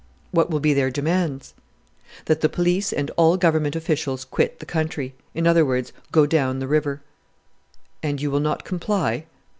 "What will be their demands?" "That the police and all Government officials quit the country; in other words, 'go down the river.'" "And you will not comply?"